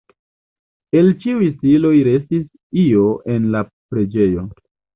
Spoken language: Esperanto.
El ĉiuj stiloj restis io en la preĝejo.